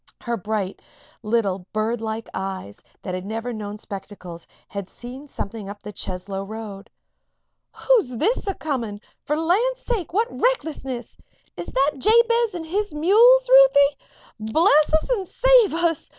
Her bright little, birdlike eyes, that had never yet known spectacles, had seen something up the Cheslow road. "Who's this a coming? For the land's sake, what recklessness! Is that Jabez and his mules, Ruthie? Bless us and save us!